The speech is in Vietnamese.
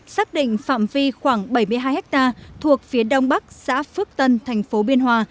xác định phạm vi khoảng bảy mươi hai ha thuộc phía đông bắc xã phước tân thành phố biên hòa